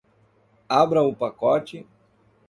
Abra o pacote